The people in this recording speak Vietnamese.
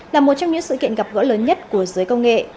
là một trong những sự kiện gặp gỡ lớn nhất của giới công nghệ